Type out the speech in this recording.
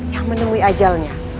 yang menemui ajalnya